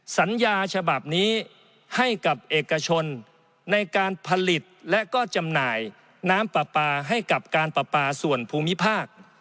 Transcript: สัญญาฉบับนี้ให้กับเอกชนในการผลิตและก็จำหน่ายน้ำปลาปลาให้กับการปลาปลาส่วนภูมิภาค